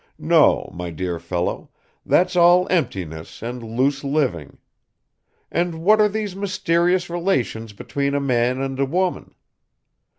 No, my dear fellow, that's all emptiness and loose living. And what are these mysterious relations between a man and a woman?